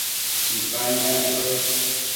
Chipa niacbiosh